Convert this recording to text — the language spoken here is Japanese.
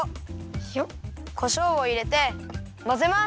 こしょうをいれてまぜます。